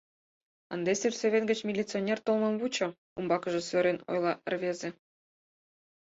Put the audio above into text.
— Ынде сельсовет гыч милиционер толмым вучо, — умбакыже сӧрен ойла рвезе.